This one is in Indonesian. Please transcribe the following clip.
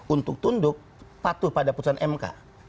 untuk tunduk patuh pada putusan mk